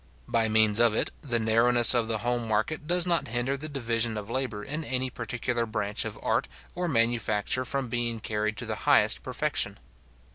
By means of it, the narrowness of the home market does not hinder the division of labour in any particular branch of art or manufacture from being carried to the highest perfection.